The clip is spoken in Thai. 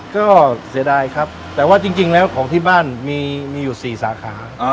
ก็เสียดายครับแต่ว่าจริงแล้วของที่บ้านมีอยู่๔สาขา